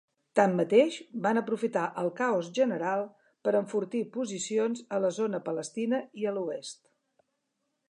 Tanmateix, van aprofitar el caos general per enfortir posicions a zona palestina i a l'oest.